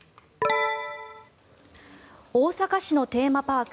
大阪市のテーマパーク